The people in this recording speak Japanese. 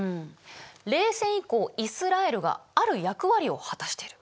冷戦以降イスラエルがある役割を果たしてる。